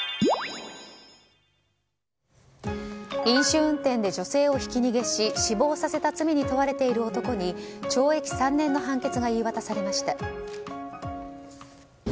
飲酒運転で女性をひき逃げし死亡させた罪に問われている男に懲役３年の判決が言い渡されました。